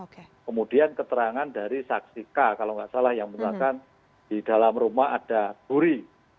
kemudian keterangan dari saksi k kalau nggak salah yang misalkan di dalam rumah ada duri